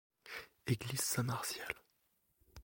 Église Saint-Martial.